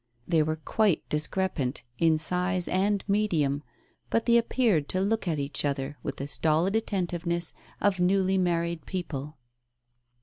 They were quite discrepant, in size and medium, but they appeared to look at each other with the stolid attentiveness of newly married people.